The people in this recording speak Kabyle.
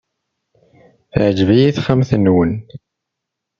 Teɛjeb-iyi texxamt-nwen.